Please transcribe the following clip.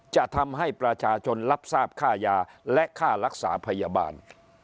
จะทำให้ประชาชนรับทราบค่ายาและค่ารักษาพยาบาล